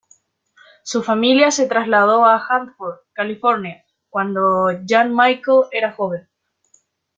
Su familia se trasladó a Hanford, California, cuando Jan-Michael era joven.